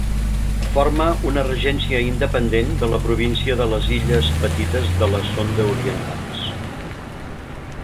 Forma una regència independent de la província de les Illes Petites de la Sonda Orientals.